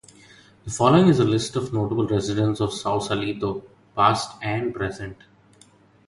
The following is a list of notable residents of Sausalito, past and present.